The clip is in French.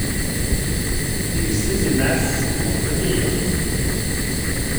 Les Césénas vont venir !